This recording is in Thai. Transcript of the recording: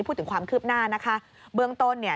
พูดถึงความคืบหน้านะคะเบื้องต้นเนี่ย